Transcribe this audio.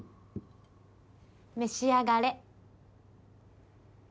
召しあがれ。